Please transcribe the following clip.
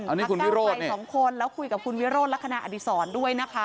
พักเก้าไกลสองคนแล้วคุยกับคุณวิโรธลักษณะอดีศรด้วยนะคะ